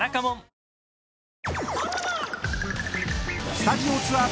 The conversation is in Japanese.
［スタジオツアー